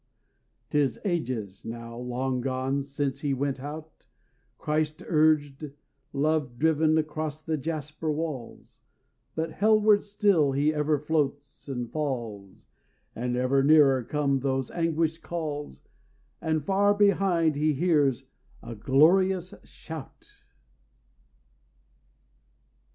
'Tis ages now long gone since he went out, Christ urged, love driven, across the jasper walls; But hellward still he ever floats and falls, And ever nearer come those anguished calls; And far behind he hears a glorious shout.